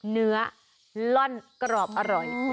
เนื้อล่อนกรอบอร่อย